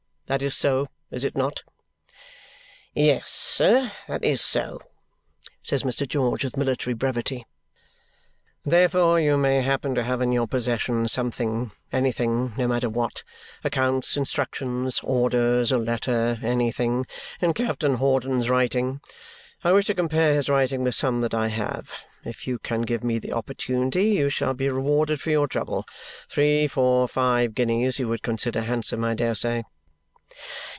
That is so, is it not?" "Yes, sir, that is so," says Mr. George with military brevity. "Therefore you may happen to have in your possession something anything, no matter what; accounts, instructions, orders, a letter, anything in Captain Hawdon's writing. I wish to compare his writing with some that I have. If you can give me the opportunity, you shall be rewarded for your trouble. Three, four, five, guineas, you would consider handsome, I dare say."